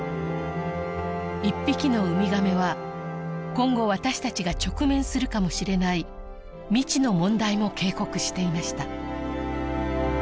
１匹のウミガメは今後私たちが直面するかもしれない未知の問題も警告していました